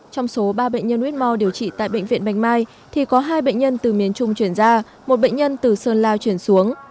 trong số ba bệnh nhân who điều trị tại bệnh viện bạch mai thì có hai bệnh nhân từ miền trung chuyển ra một bệnh nhân từ sơn lao chuyển xuống